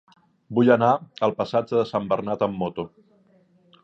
Vull anar al passatge de Sant Bernat amb moto.